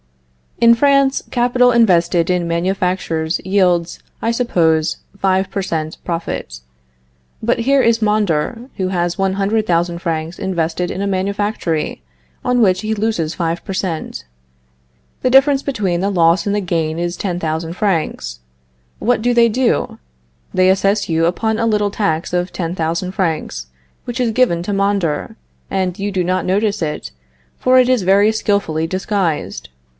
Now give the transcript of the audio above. In France, capital invested in manufactures yields, I suppose, five per cent. profit. But here is Mondor, who has one hundred thousand francs invested in a manufactory, on which he loses five per cent. The difference between the loss and gain is ten thousand francs. What do they do? They assess upon you a little tax of ten thousand francs, which is given to Mondor, and you do not notice it, for it is very skillfully disguised.